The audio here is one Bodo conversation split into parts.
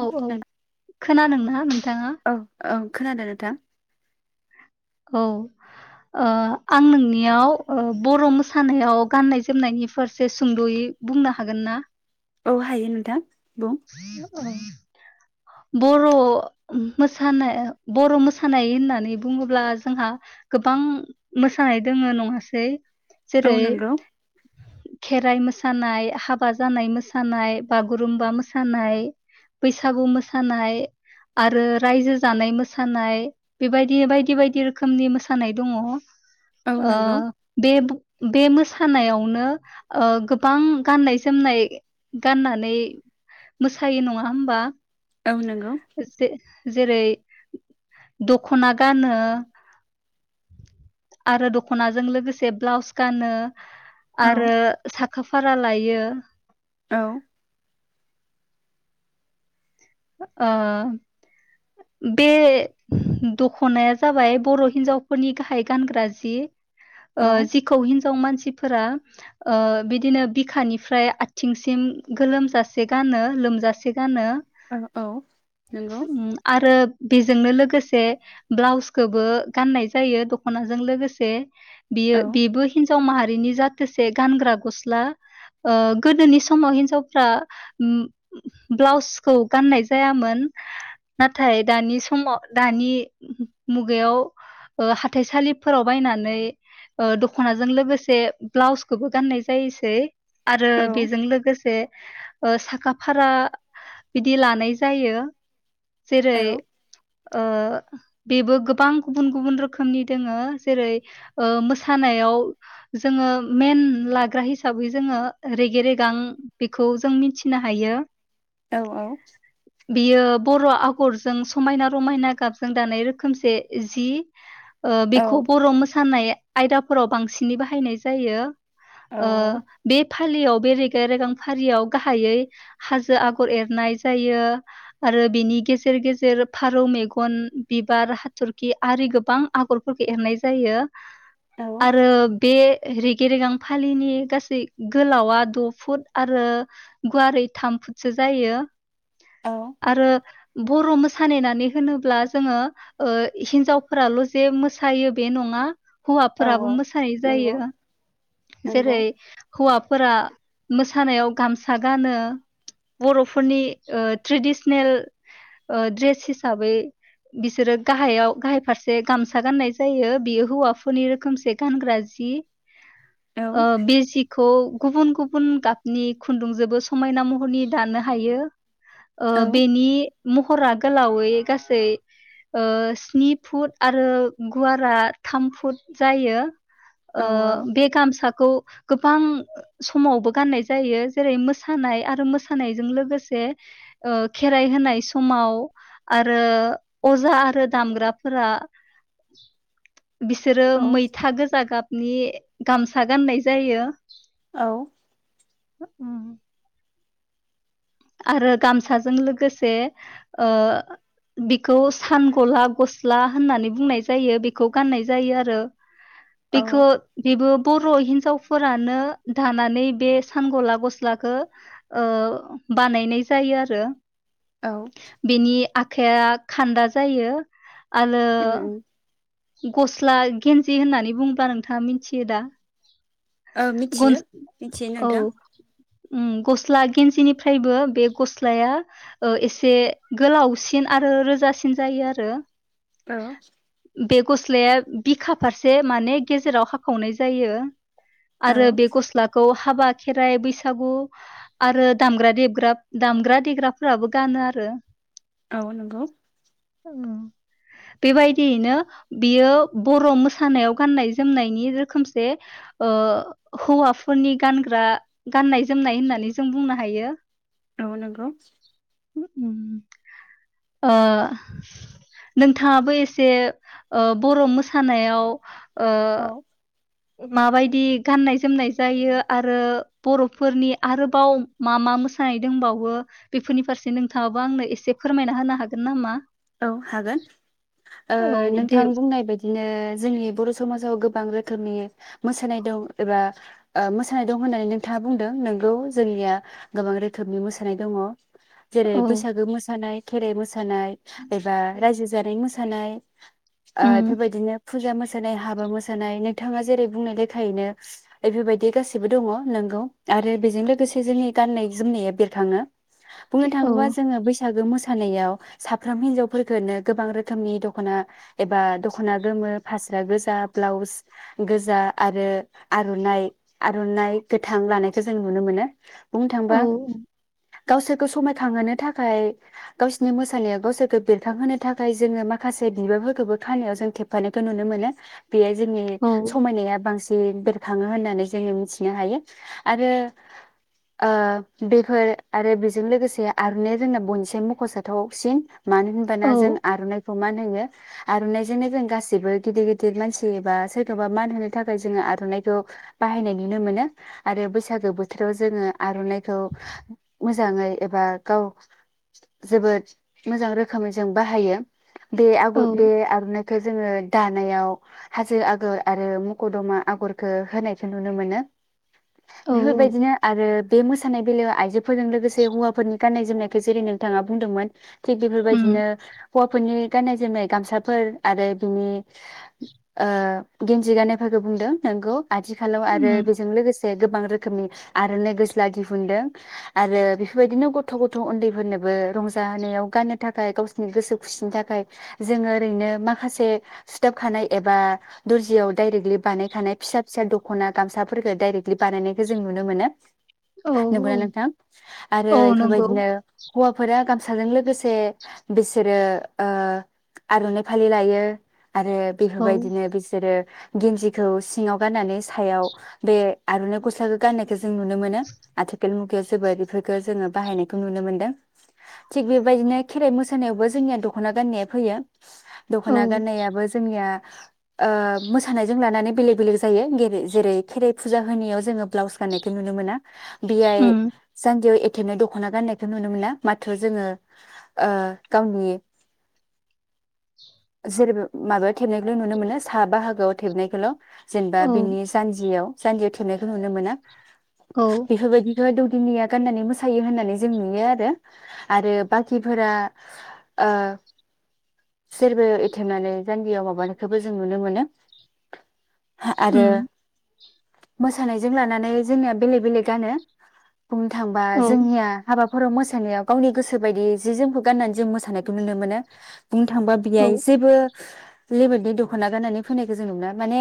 औ औ खोनादों ना नोंथाङा। औ खोनादों नोंथां? औ आं नोंनियाव बर' मोसानायाव गाननाय जोमनायनि फारसे सुंदयै बुंनो हागोन ना? औ हायो नोंथां। बुं ओ। बर' मोसानाय बर मोसानाय होननानै बुङोब्ला जोंहा गोबां मोसानाय दंङ नङासै। औ जेरै नंगौ। खेराइ मोसानाय हाबा जानाय मोसानाय बागुरुमबा मोसानाय। मोसानाय बैसागु मोसानाय आरो रायजो जानाय मोसानाय बेबायदि बायदि बायदि रोखोमनि मोसानाय दङ। ओ औ नंगौ बे बे मोसानायावनो ओ गोबां गाननाय जोमनाय गाननानै‌ मोसायो नङा होमबा? औ नंगौ। जे जेरै दखना गानो‌ आरो दखनाजों लोगोसे ब्लाउस गानो। औ आरो साखा फारा लायो। औ। ओ बे दखनाया जाबाय बर हिनजावफोरनि गाहाय गानग्रा जि। औ ओ जिखौ हिनजाव मानसि सिफोरा ओ बिदिनो बिखानिफ्राय आथिंसिम गोलोमजासे गानो लोमजासे गानो। औ औ नंगौ। उम आरो बेजोंनो लोगोसे ब्लाउसखौबो गाननाय जायो दखनाजों लोगोसे बियो औ बेबो हिनजाव माहा रिनि जाथोसे गानग्रा गस्ला ओ गोदोनि समाव हिनजावफ्रा अम ब्लाउस खौ गाननाय जायामोन नाथाय दानि समाव दानि मुगायाव ओ हाथाइसालिफोराव बायनानै ओ दखनाजों लोगोसे ब्लाउसखौबो गाननाय जायोसै। आरो औ बेजों लोगोसे ओ साखाफारा बिदि लानाय जायो। जेरै औ ओ बेबो गोबां गुबुन गुबुन रोखोमनि दोङो जेरै ओ मोसानायाव जोङो मेन लाग्रा हिसाबै जोङो रेगे रेगां बेखौ जों मिन्थिनो हायो। औ औ बियो बर' आगरजों समायना रमायना गाबजों दानाय रोखोमसे जि। ओ औ बेखौ बर' मोसानाया आयदाफोराव बांसिनै बाहायनाय जायो। औ ओ बे फालियाव बे रेगे रेगां फारियाव गाहायै हाजो आगर एरनाय जायो आरो बेनि गेजेर गेजेर फारौ मेगन बिबार हाथरखि आरि गोबां आगरफोरखौ एरनाय जायो। आरो बे रेगे रेगां फालिनि गासै गोलावा द' फुट आरो गुवारै थाम फुटसो जायो। औ आरो बर' मोसानायनानै होनोब्ला जोङो ओ हिनजावफोराल' जे मोसायो बे नङा हौवाफोराबो औ मोसायो नंगौ जायो नंगौ जेरै हौवा फोरा मोसानायाव गामसा गानो बर'फोरनि ट्रेडिसनेल ओ द्रेस हिसाबै बिसोरो गाहायाव-गाहाय फारसे गामसा गाननाय जायो बियो हौवाफोरनि रोखोमसे गानग्रा जि। औ ओ बे जिखौ गुबुन गुबुन गाबनि खुन्दुंजोंबो समायना महरनि दानो हायो। ओ औ बेनि महरा गोलावै गासै ओ स्नि फुट आरो गुवारा थाम फुट जायो। ओ औ बे साखौ गोबां समावबो गाननाय जायो। जेरै मोसानाय आरो मोसानायजों लोगोसे ओ खेराइ होनाय समाव आरो अजा आरो दामग्राफोरा बिसोरो मैथा गोजा गाब नि गामसा गाननाय जायो। औ [unintelligible] आरो गामसाजों लोगोसे ओ बेखौ सान गला गस्ला होननानै बुंनाय जायो बेखौ गाननाय जायो आरो। औ बेखो बेबो बर' हिन्जावफोरानो दानानै बे सान गला गस्लाखौ ओ बानायनाय जायो आरो। औ। आखाइआ खान्दा जायो। आलो उम उम गस्ला गेन्जि होननानै बुंब्ला नोंथाङा मिथियो दा? औ मिथियो ग्नज मिथियो औ। नोंथां उम गस्ला गेन्जिनिफ्रायबो बे गस्लाया ओ एसे गोलावसिन आरो रोजासिन जायो आरो। औ। बे गस्लाया बिखा फारसे माने गेजेराव हाखावनाय जायो। औ आरो बे गस्लाखौ हा हाबा खेराइ बैसागु आरो दामग्रा देबग्राब दामग्रा देग्राफोराबो गानो आरो। औ नोंगौ। ओव बेबायदि नो बियो बर' मोसानायाव गान्नाय जोमनायनि रोखोमसे ओ हौवाफोरनि गानग्रा गान्नाय जोमनाय होननानै जों बुंनो हायो। औ नंगौ ओ नोंथाङाबो एसे ओ बर' मोसानायाव ओ। औ माबायदि गाननाय जोमनाय जायो आरो बर'फोरनि आरोबाव मा मा मोसानाय दोंबावो बेफोरनि फारसे नोंथाङाबो आंनो एसे फोरमायना होनो हागोन नामा? औ हागोन। ओ औ नोंथां दे बुंनाय बायदिनो जोंनि बर' समाजाव गोब बां रोखोमनि मोसानाय दं एबा ओ मोसानाय दं होन्नानै नोंथाङा बुंदों नोंगौ जोंनिया गोबां रोखोमनि मोसानाय दङ'। जेरै औ बैसागो मोसानाय। खेराइ मोसानाय। एबा रायजो जानाय मोसा नाय। ओ उम इफोरबायदिनो। फुजा मोसानाय हाबा मोसानाय नोंथाङा जेरै बुंनाय लेखायैनो इफोरबायदि गासिबो दङ' नोंगौ आरो बेजों लोगोसे जोंनि गाननाय जोमनाया बेरखाङो। बुंनो औ थाङोबा जोङो बैस बैसागो मोसानायाव साफ फ्रोम हिनजावफोरखोनो गोबां रोखोमनि दख'ना एबा दख'ना गोमो फास्रा गोजा ब्लाउस गोजा आरो आर'नाइ आर'नाइ गोथां लानायखो जों नुनो मोनो। बुंनो औ थांबा। गावसोरखौ समायखांहोनो थाखाय गावसोरनि मोसानाया गावसोरखो बेरखांहोनो थाखाय जोङो माखासे बिबारफोरखोबो खानायाव जों थेबफानायखो नुनो मोनो। बेयाय जोंनि औ समायनाया बांसि न बेरखाङो होननानै जोङो मिथिनो हायो आरो ओ बेफोर आरो बेजों लोगोसे आर'न्नाया जोंना बयनिसाय मख'जाथावसिन। मानो औ होनबाना जों आर'नाइख खौ मा नोङो आर'नाइजोंनो जों गाैबो गिदिर गिदिर मानसि एबा सोरखौबा मान होनो थाखाय जोङो आर'नाइखौ बाहायनाय नुनो मोनो। आरो बैसागो बोथोराव जोङो आर'नाइखौ मोजाङै एबा गाव जोबोद मोजां रोखोमै जों बाहायो। बे आग बे औ आरनाइ जोङो दानायाव हाजो आगर आरो मखदमा आगरखौ होनायखौ नुनो मोनो। औ बेफोरबायदिनो आरो बे मोसानाय बेलायाव आइजोफोरजों लोगोसे हौवाफोरनि गान्नाय जोमनायखौ जेरै नोंथाङा बुंदोंमोन थिग उम बेफोरबायदिनो हौवाफोरनि गाननाय जोमनाय गामसाफोर आरो बिनि ओ गेन्जि गानायफोरखौ बुंदों नोंगौ आथिखालाव आरो उम बेजों लोगोसे गोबां रोखोमनि आर'नाइ गस्ला दिहुनदों आरो बेफोरबायदिनो गथ' गथ' उन्दैफोरनोबो रंजाहोनायाव थाखाय गावसिरनि गोसो खुसिनि थाखाय जोङो ओरैनो माखासे सिथाबखानाय एबा दुरजियाव डाइरेक्टलि बानायखानाय फिसा फिसा दख'ना गामसाफोरखो डायरेक्टलि बानायनायखौ जों नुनो मोनो। औ नंगौ ना औ नोंथां आरो औ नंगौ बेफोरबायदिनो हौवाफोरा साजों लोगोसे बिसोरो ओ आर'नाइ फालि लायो। आरो औ बेफोरबायदिनो बिसोरो गेन्जि खौ सिङाव गान्नानै सायाव बे आर'नाइ गस्लाखौ गाननायखौ जों नुनो मोनो आथिखाल बेफोरखौ जो बाहायनायखौ नुनो मोनदों। बेबायदिनो खेराइ मोसानायावबो जोंनिया दख'ना गाननायया फैयो। औ दख'ना गान्नायाबो जोंनिया ओ मोसानायजों लानानै बेलेग बेलेग जायो जेरै खेराइ फुजा होनायाव जोङो ब्लाउस गाननायखौ नुनो मोना। बिआइ उम जानजियाव ए बिदिनो दख'ना गान्नायखौ नुनो मोना माथ्र जोङो ओ गावनि जेरै माबायाव थेबनायखौल' नुनो मोनो सा बाहागोआव थेबनायखौल' जेनेबा औ बिनि जानजियाव जान्जियाव थुनायखौ नुनो मोना। औ जह दौदिनिया गाननानै मोसायो होननानै जों नुयो आरो आरो बाखिफोरा ओ सोरबाव एथेमनानै जानगियाव माबानायखौबो जों नुनो मोनो। आरो उम मोसानायजों लानानै जोंनिया बेलेग बेलेक गानो। बुंनो थाङोबा औ जोंनिया हाबा बर' मोसानायाव गावनि जि जोमखौ गाननानै जों मोसानायखौ नुनो मोनो बुंनो थांबा औ बेयाय जेबो लिमिदनि दख'ना गाननानै फैनायखौ जों नुनो मोनो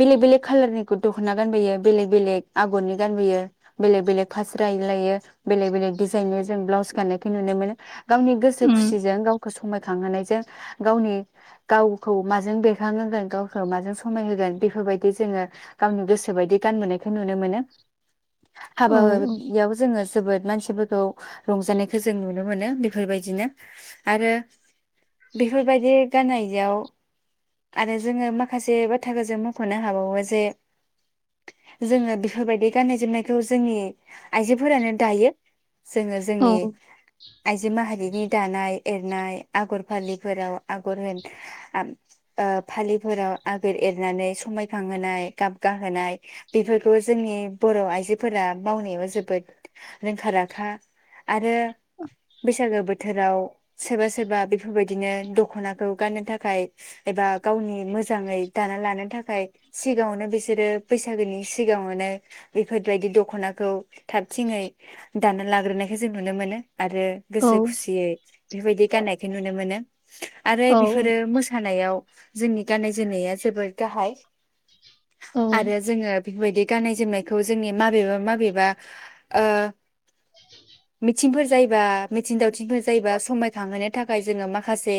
बेलेक बेलेग कालारनि दख'ना गानबोयो बेलेक बेलेग आगरनि गानबोयो बेलेक बेलेग फास्रा लायो बेलेक बेलेग डिजाइननि जों ब्लाउस गा [unintelligible] गावनि गोसो उम खुसिजों गावखौ समाय [unintelligible] गावनि गावखौ माजों बेरखांहोगोन गावखौ माजों समाय होगोन बेफोरबायदि जोङो गावनि गोसोबायदि गान मोननायखौ नुनो मोनो [unintelligible] औ जोङो जोबोद मानसिफोरखौ रंजानाय जों नुनो मोनो बेफोरबायदिनो आरो बेफोर बायदि गाननायाव आरो जोङो माखासे बाथ्राखौ जों मख'नो हाबावो जे जोङो बेफोरबायदि गाननाय जोमनायखौ जोंनि आइजोफोरानो दायो जोङो औ जोंनि आइजो माहारि दानाय एरनाय आगर फालिफोराव आगर होन फालिफोराव आगोर एरनानै समायखांहोनाय गाबगाहोनाय बेफोरखौ जोंनि बर' आइजोफोरा मावनायाव जोबोद रोंखा राखा आरो बैसागो बोथोराव सोरबा सोरबा बेफोरबायदिनो दखनाखौ गाननो थाखाय एबा गावनि मोजाङै दाना लानो थाखाय सिगाङावनो बिसोरो बैसागोनि सिगाङावनो बेफोरबायदि दख'नाखौ थाब थङै दाना लाग्रोनायखौ जों नुनो मोनो। आरो औ गोसो खुसियै बेबायदि गाननायखौ नुनो मोनो आरो बेफोरो मोसानायाव जोंनि गाननाय जोमनाया जोबोर गाहाय आरो औ जोङो बेफोरबायदि गाननाय जोमनायखौ जोंनि माबेबा माबेबा ओ मि थिंफोर जायोब्ला मिथिं दावथिंफोर जायोबा समायखांहोनो थाखाय जोङो ओ माखासे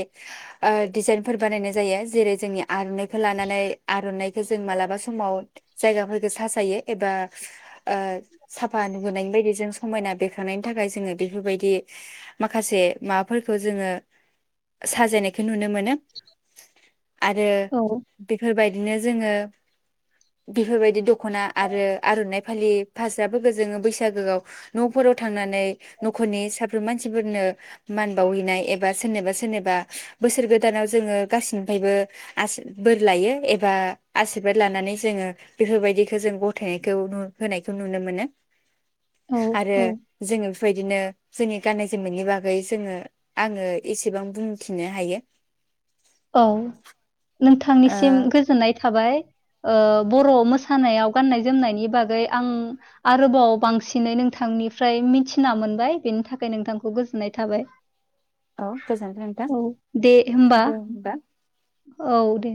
ओ डिजाइनफोर बानायनाय जायो जेरै जोंनि आर'नाइखौ लानानै आर'नाइखौ जों मालाबा समाव जायगाफोरखौ साजायो एबा ओ साफा नुुबोनायनि बायदि जों समायना बेरखांनायनि थाखाय जोङो बेफोरबायदि माखासे माबाफोरखौ जोङो साजायनायखौ नुनो मोनो आरो बेफोरबाय दिनो जो बेफोरबायदि द खना आरो आर'नाय फालि फास्राफोरखो जोङो बैसागोआव न'फोराव थांनानै न'खरनि साफ्रोम मानसिफोरनो मान बावहैनाय एबा सोरनिबा सोरनिबा बोसोर गोदानाव जोङो गाससिनिफ्रायबो आस बोर लायो एबा आसशिरबाद लानानै जोङो बेफोरबायदिखो जों गथाय होनायखौ नुनो मोनो औ आरो औ जोंङो नो जोंनि गाननाय जोमनायनि बागै जोङो आङो एसेबां बुंथिनो हायो औ ओ नोंथांनिसिम गोजोननाय थाबाय ओ बर' मोसानायाव गाननाय जोमनायनि बागै आं आरोबाव बांसिनै नोंथांनिफ्राय मिथिना मोनबाय बेनि थाखाय नोंथांखौ गोजोननाय थाबाय औ गोजोन्थों नोंथां औ दे दे होमबा औ दे